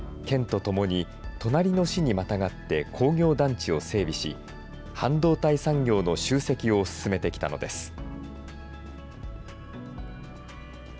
県とともに隣の市にまたがって工業団地を整備し、半導体産業の集積を進めてきたのです。